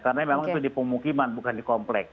karena memang itu di pemukiman bukan di komplek